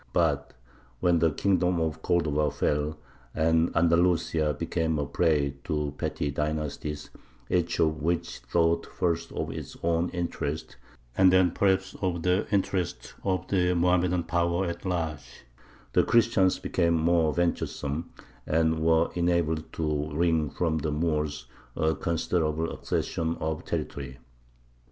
But when the kingdom of Cordova fell, and Andalusia became a prey to petty dynasties, each of which thought first of its own interests, and then perhaps of the interests of the Mohammedan power at large, the Christians became more venturesome, and were enabled to wring from the Moors a considerable accession of territory.